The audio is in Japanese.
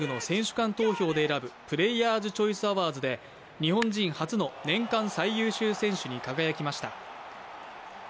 間投票で選ぶプレーヤーズ・チョイス・アワーズで日本人初の年間最優秀選手に輝きました。